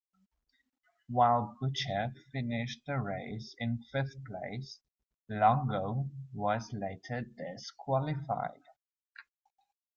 While Bucher finished the race in fifth place, Longo was later disqualified.